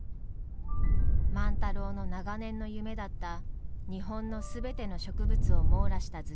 万太郎の長年の夢だった日本の全ての植物を網羅した図鑑。